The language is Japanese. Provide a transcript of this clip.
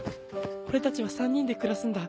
俺たちは３人で暮らすんだ。